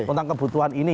tentang kebutuhan ini